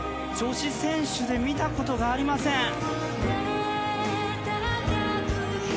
女子選手で見たことがありません。